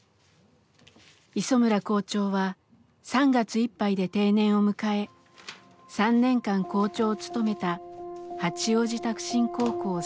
磯村校長は３月いっぱいで定年を迎え３年間校長を務めた八王子拓真高校を去ります。